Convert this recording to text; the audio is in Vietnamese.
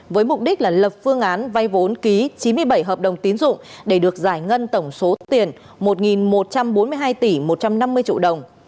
với mục đích là lập phương án vay vốn ký chín mươi bảy hợp đồng tín dụng để được giải ngân tổng số tiền một một trăm bốn mươi hai tỷ một trăm năm mươi triệu đồng